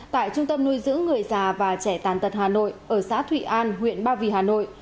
tại trung tâm nuôi dưỡng người già và trẻ tàn tật hà nội ở xã thụy an huyện ba vì hà nội